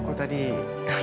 gua luar biasa ini